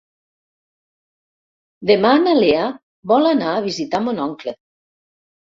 Demà na Lea vol anar a visitar mon oncle.